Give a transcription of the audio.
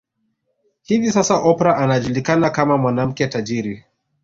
Hivi Sasa Oprah anajulikana kama mwanamke tajiri